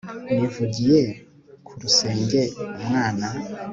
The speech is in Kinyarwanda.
nivugiye ku rusenge, umwana